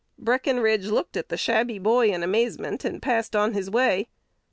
"Breckenridge looked at the shabby boy" in amazement, and passed on his way.